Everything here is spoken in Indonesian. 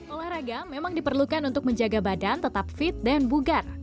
olahraga memang diperlukan untuk menjaga badan tetap fit dan bugar